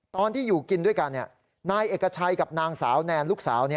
ตอนที่อยู่กินด้วยกันนายเอกชัยกับนางสาวแนนลูกสาว